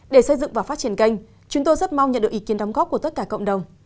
để xây dựng và phát triển kênh chúng tôi rất mong nhận được ý kiến đóng góp của tất cả cộng đồng